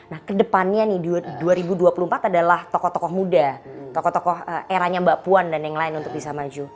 nah kedepannya nih dua ribu dua puluh empat adalah tokoh tokoh muda tokoh tokoh eranya mbak puan dan yang lain untuk bisa maju